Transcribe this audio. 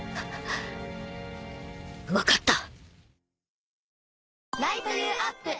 分かった。